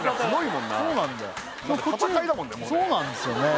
もうねそうなんですよね